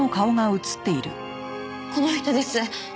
この人です。